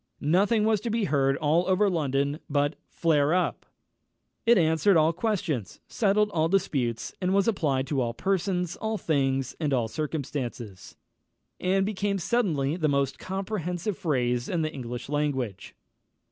Nothing was to be heard all over London but "flare up!" It answered all questions, settled all disputes, was applied to all persons, all things, and all circumstances, and became suddenly the most comprehensive phrase in the English language.